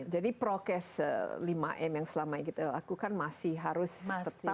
jadi prokes lima m yang selama itu lakukan masih harus tetap dan berjalan